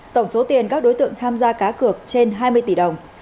tổng số tiền các đối tượng tham gia cá cược trên hai mươi tỷ đồng